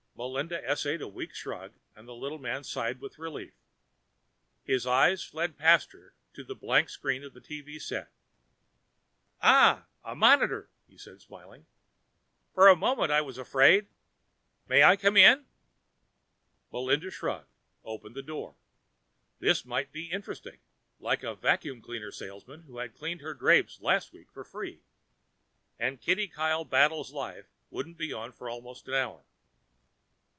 Melinda essayed a weak shrug and the little man sighed with relief. His eyes fled past her to the blank screen of the TV set. "Ah, a monitor." He smiled. "For a moment I was afraid May I come in?" Melinda shrugged, opened the door. This might be interesting, like a vacuum cleaner salesman who had cleaned her drapes last week for free. And Kitty Kyle Battles Life wouldn't be on for almost an hour.